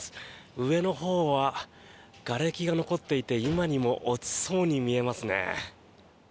上のほうはがれきが残っていて今にも落ちそうに見えますね。